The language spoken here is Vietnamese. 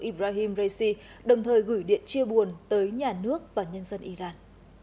ibrahim raisi đồng thời gửi điện chia buồn tới nhà nước và nhân dân iran